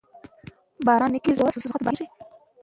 که بدن وچ نه وي، المونیم لرونکي مواد حساسیت جوړوي.